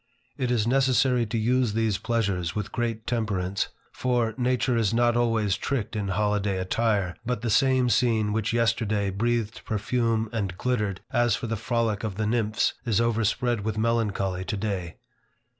It is necessary to use these pleasures with great temperance. For, nature is not always tricked in holiday attire, but the same scene which yesterday breathed perfume and glittered as for the frolic of the nymphs, is overspread with melancholy today.